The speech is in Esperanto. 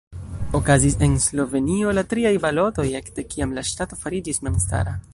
Okazis en Slovenio la triaj balotoj, ekde kiam la ŝtato fariĝis memstara.